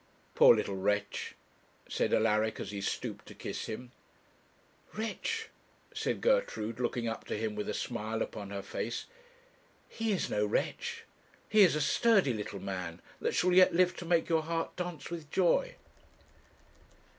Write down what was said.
'Poor little wretch!' said Alaric, as he stooped to kiss him. 'Wretch!' said Gertrude, looking up to him with a smile upon her face 'he is no wretch. He is a sturdy little man, that shall yet live to make your heart dance with joy.'